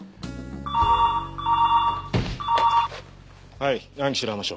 はい南紀白浜署。